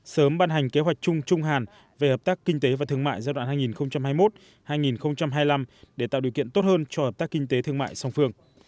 sớm ban hành kế hoạch chung trung hàn về hợp tác kinh tế và thương mại giai đoạn hai nghìn hai mươi một hai nghìn hai mươi năm để tạo điều kiện tốt hơn cho hợp tác kinh tế thương mại song phương